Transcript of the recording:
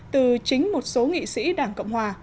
từ chính một số nghị sĩ đảng cộng hòa